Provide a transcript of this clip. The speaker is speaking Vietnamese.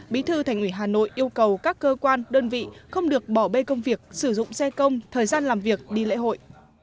bí thư thành ủy hà nội yêu cầu các cơ quan đơn vị không được bỏ bê công việc sử dụng xe công thời gian làm việc đi lễ hội